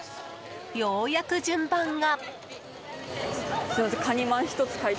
ようやく順番が。